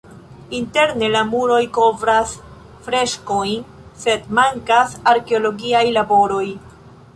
Interne la muroj kovras freskojn, sed mankas arkeologiaj laboroj.